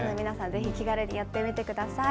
ぜひ気軽にやってみてください。